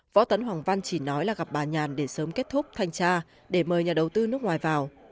võ tấn hoàng văn chỉ nói là gặp bà nhàn để sớm kết thúc thanh tra để mời nhà đầu tư nước ngoài vào